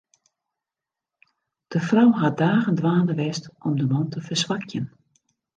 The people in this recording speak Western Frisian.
De frou hat dagen dwaande west om de man te ferswakjen.